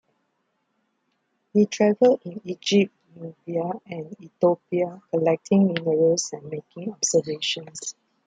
He travelled in Egypt, Nubia, and Ethiopia, collecting minerals and making observations.